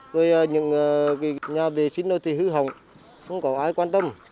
rồi những nhà vệ sinh nó thì hữu hồng không có ai quan tâm